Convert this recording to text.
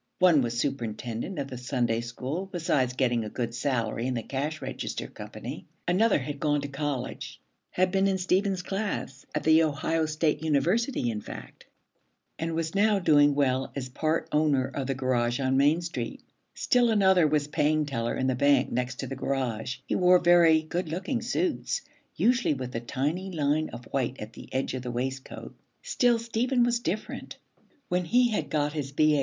One was superintendent of the Sunday School, besides getting a good salary in the Cash Register Company; another had gone to college, had been in Stephen's class at the Ohio State University in fact, and was now doing well as part owner of the garage on Main Street; still another was paying teller in the bank next to the garage; he wore very 'good looking' suits, usually with a tiny line of white at the edge of the waistcoat. Still Stephen was different. When he had got his B.A.